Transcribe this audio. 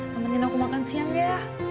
temenin aku makan siang ya